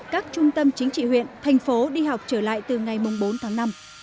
các trung tâm chính trị huyện thành phố đi học trở lại từ ngày bốn tháng năm